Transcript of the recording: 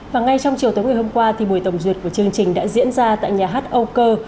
và ngay trong chiều tối ngày hôm qua thì buổi tổng duyệt của chương trình đã diễn ra tại nhà hát âu cơ